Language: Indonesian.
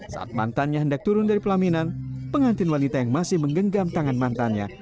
saat mantannya hendak turun dari pelaminan pengantin wanita yang masih menggenggam tangan mantannya